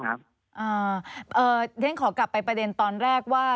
เพราะฉะนั้นขอกลับไปประเด็นตอนแรกว่า